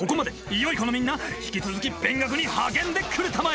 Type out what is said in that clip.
良い子のみんな引き続き勉学に励んでくれたまえ！